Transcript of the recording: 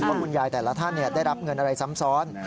คุณยายแต่ละท่านได้รับเงินอะไรซ้ำซ้อน